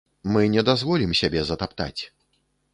Мы не дазволім сябе затаптаць!